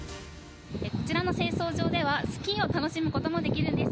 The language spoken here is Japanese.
こちらの清掃場では、スキーを楽しむこともできるんです。